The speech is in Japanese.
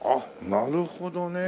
なるほどね。